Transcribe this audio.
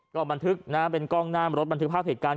ก็บันทึกนะเป็นกล้องหน้ามรถบันทึกภาพเหตุการณ์